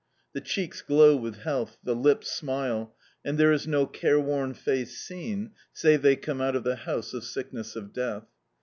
The cheeks glow with health, the lips smile, and there is no careworn face seen, save they come out of the house of sickness of death.